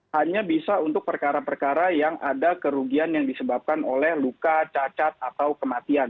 hanya bisa untuk perkara perkara yang ada kerugian yang disebabkan oleh luka cacat atau kematian